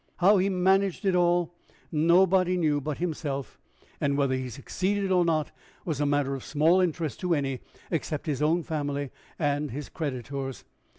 How he managed it all, nobody knew but himself, and whether he succeeded or not was a matter of small interest to any except his own family and his creditors.